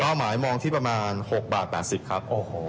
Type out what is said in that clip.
เป้าหมายมองที่ประมาณ๖บาท๘๐บาทครับ